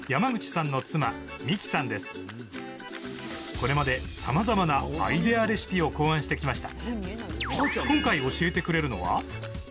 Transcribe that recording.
これまでさまざまなアイデアレシピを考案してきました。